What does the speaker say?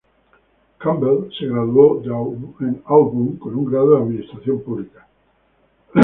Campbell se graduó de Auburn con un grado en Administración Pública.